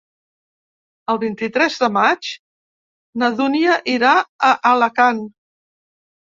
El vint-i-tres de maig na Dúnia irà a Alacant.